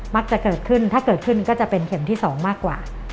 จะเกิดขึ้นถ้าเกิดขึ้นก็จะเป็นเข็มที่๒มากกว่า